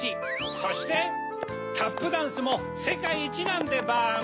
そしてタップダンスもせかいいちなんでバーム！